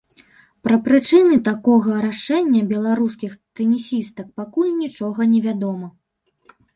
Пра прычыны такога рашэння беларускіх тэнісістак пакуль нічога невядома.